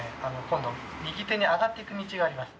今度右手に上がっていく道があります。